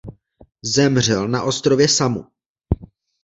Zemřel na ostrově Samu.